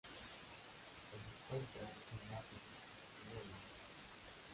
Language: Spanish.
Se encuentran en África: río Linda.